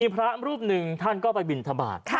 พระรูปหนึ่งท่านก็ไปบินทบาท